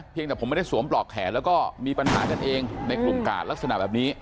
ยังแต่ผมไม่ได้สวมปลอกแขนแล้วก็มีปัญหากันเองในกลุ่มกาดลักษณะแบบนี้